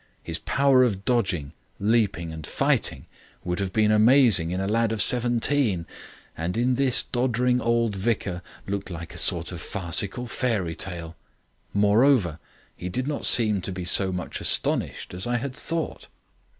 His power of dodging, leaping, and fighting would have been amazing in a lad of seventeen, and in this doddering old vicar looked like a sort of farcical fairy tale. Moreover, he did not seem to be so much astonished as I had thought.